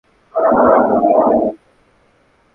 চুপচাপ থাকলে আমি অনেক চকলেট দেবো।